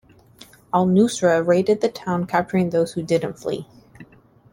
Al Nusra raided the town, capturing those who didn't flee.